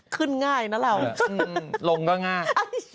ขึ้นง่ายนะเราขึ้นลงก็ง่าย